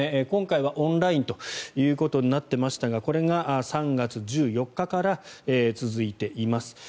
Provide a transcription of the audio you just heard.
今回はオンラインということになっていましたがこれが３月１４日から続いています。